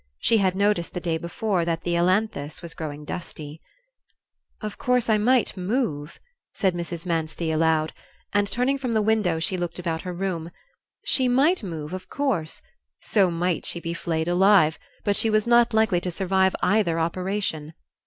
She had noticed the day before that the ailanthus was growing dusty. "Of course I might move," said Mrs. Manstey aloud, and turning from the window she looked about her room. She might move, of course; so might she be flayed alive; but she was not likely to survive either operation.